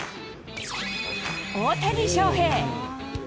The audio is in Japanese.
大谷翔平。